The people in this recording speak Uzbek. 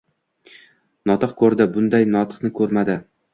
Notiq ko‘rdi — bunday notikni ko‘rmadi.